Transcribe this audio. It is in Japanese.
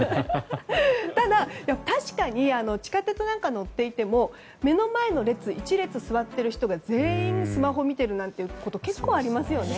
ただ、確かに地下鉄乗っていても目の前の列、１列座っている人が全員スマホを見てるなんてこと結構ありますよね。